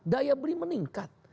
daya beli meningkat